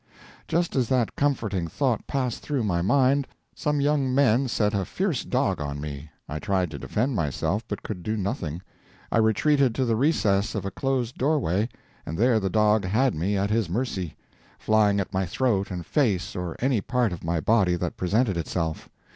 Just as that comforting thought passed through my mind, some young men set a fierce dog on me. I tried to defend myself, but could do nothing. I retreated to the recess of a closed doorway, and there the dog had me at his mercy, flying at my throat and face or any part of my body that presented itself.